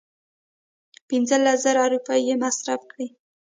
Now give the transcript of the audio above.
پنځه لس زره روپۍ یې مصرف کړې.